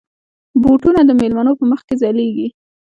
بوټونه د مېلمنو په مخ کې ځلېږي.